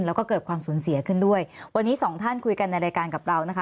แล้วก็เกิดความสูญเสียขึ้นด้วยวันนี้สองท่านคุยกันในรายการกับเรานะคะ